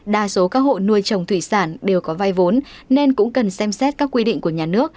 đa số các hộ nuôi trồng thủy sản đều có vai vốn nên cũng cần xem xét các quy định của nhà nước